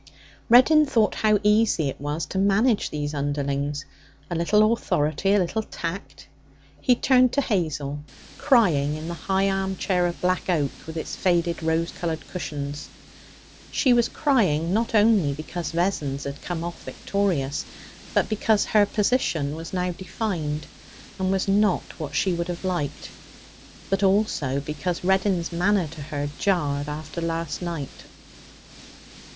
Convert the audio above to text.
Reddin thought how easy it was to manage these underlings a little authority, a little tact. He turned to Hazel, crying in the high armchair of black oak with its faded rose coloured cushions. She was crying not only because Vessons had come off victorious, but because her position was now defined, and was not what she would have liked, but also because Reddin's manner to her jarred after last night.